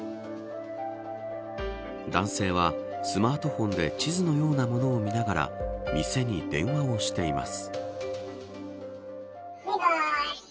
男性は、スマートフォンで地図のようなものを見ながら店に電話をしています。